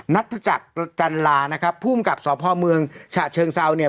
นัดจักรจันรานะครับผู้บังกับสอบพ่อเมืองฉาเชิงเซาเนี้ย